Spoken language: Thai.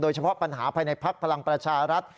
เฉพาะปัญหาภายในภักดิ์พลังประชารัฐ